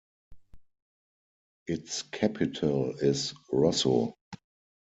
Its capital is Rosso.